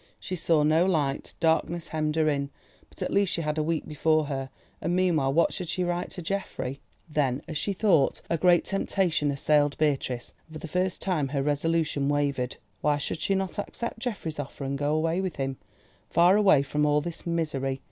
She saw no light, darkness hemmed her in. But at least she had a week before her, and meanwhile what should she write to Geoffrey? Then, as she thought, a great temptation assailed Beatrice, and for the first time her resolution wavered. Why should she not accept Geoffrey's offer and go away with him—far away from all this misery?